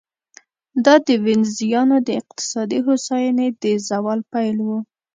دا د وینزیانو د اقتصادي هوساینې د زوال پیل و.